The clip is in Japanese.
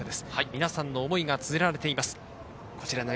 皆さんの思いがつづられています。